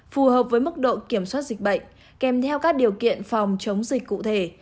phù hợp với mức độ kiểm soát dịch bệnh kèm theo các điều kiện phòng chống dịch cụ thể